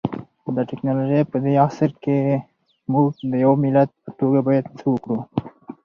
د ټکنالوژۍ پدې عصر کي مونږ د يو ملت په توګه بايد څه وکړو؟